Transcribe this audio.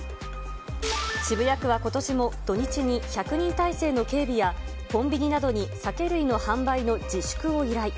渋谷区はことしも土日に１００人態勢の警備やコンビニなどに酒類の販売の自粛を依頼。